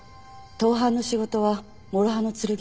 盗犯の仕事は諸刃の剣よ。